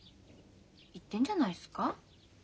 いってんじゃないすか？